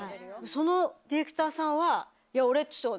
そのディレクターさんは「いや俺ちょっと」。